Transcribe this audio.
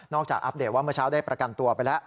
จากอัปเดตว่าเมื่อเช้าได้ประกันตัวไปแล้ว